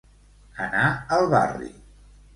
Anar al barri.